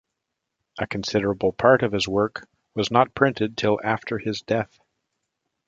A considerable part of his work was not printed till after his death.